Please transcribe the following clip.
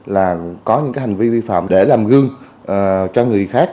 là có những hành vi vi phạm để làm gương cho người khác